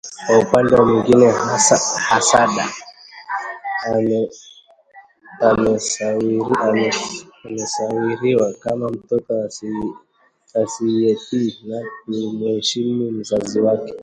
Kwa upande mwingine, Hasada amesawiriwa kama mtoto asiyetii na kumheshimu mzazi wake